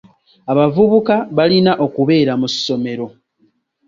Abavubuka balina okubeera mu ssomero.